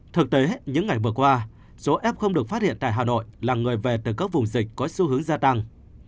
thực tế những ngày vừa qua số f được phát hiện tại hà nội là người về từ các vùng dịch có xu hướng gia tăng